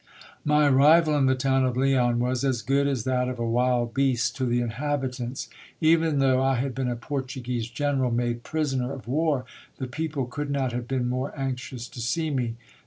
My arrival in the town of Leon was as good as that of a wild beast to the inhabitants. Even though I had been a Portuguese general made prisoner of war, the people could not have been more anxious to see me.